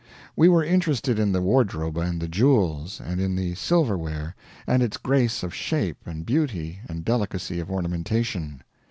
We were interested in the wardrobe and the jewels, and in the silverware, and its grace of shape and beauty and delicacy of ornamentation.